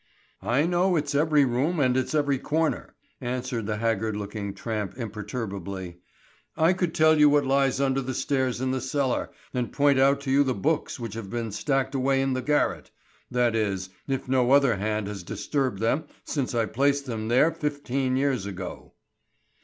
"I know its every room and its every corner," answered the haggard looking tramp imperturbably. "I could tell you what lies under the stairs in the cellar, and point out to you the books which have been stacked away in the garret: That is, if no other hand has disturbed them since I placed them there fifteen years ago."